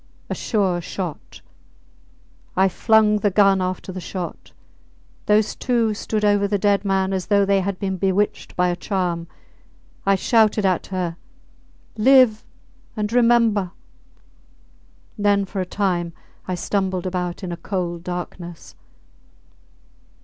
A sure shot! I flung the gun after the shot. Those two stood over the dead man as though they had been bewitched by a charm. I shouted at her, Live and remember! Then for a time I stumbled about in a cold darkness.